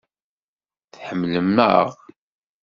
Tḥemmlem-aɣ.